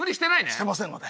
してませんので。